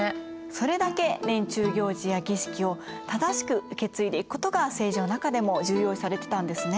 それだけ年中行事や儀式を正しく受け継いでいくことが政治の中でも重要視されてたんですね。